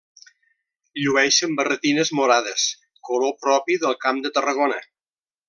Llueixen barretines morades, color propi del Camp de Tarragona.